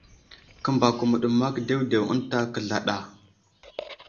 Kəmbako məɗəmak ɗewɗew ənta kəzlaɗ a.